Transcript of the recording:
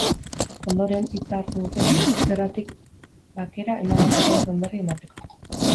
Ondoren, hitza hartu dute biek, gerratik bakera emandako pausoen berri emateko.